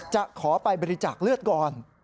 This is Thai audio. จะขอไปบริจาคเลือดก่อน